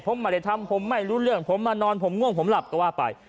ผมไม่ได้ทำผมไม่รู้เรื่องผมมานอนผมง่วงผมหลับก็ว่าไป